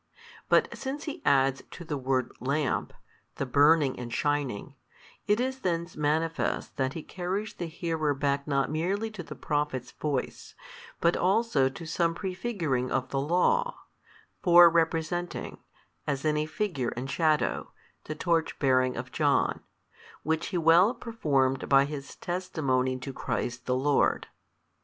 But since He adds to the word lamp, the burning and shining, it is thence manifest that He carries the hearer back not merely to the prophet's voice, but also to some pre figuring of the Law, fore representing, as in figure and shadow, the torch bearing of John, which he well performed by his testimony to Christ the Lord.